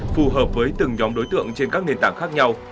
phù hợp với từng nhóm đối tượng trên các nền tảng khác nhau